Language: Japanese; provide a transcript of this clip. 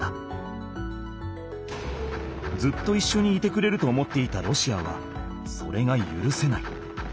ずっといっしょにいてくれると思っていたロシアはそれがゆるせない。